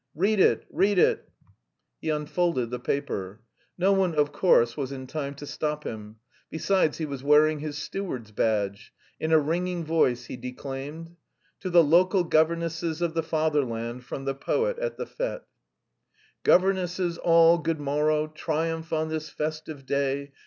"Read it, read it!" He unfolded the paper. No one of course was in time to stop him. Besides, he was wearing his steward's badge. In a ringing voice he declaimed: "To the local governesses of the Fatherland from the poet at the fête: "Governesses all, good morrow, Triumph on this festive day.